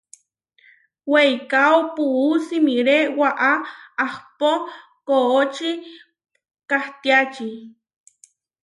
Weikáo puú simiré waʼá ahpó koʼočí kahtiači.